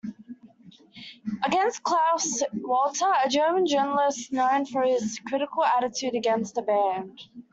Against Klaus Walter, a German journalist known for his critical attitude against the band.